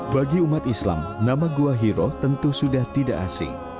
bagi umat islam nama gua hiro tentu sudah tidak asing